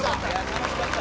楽しかった。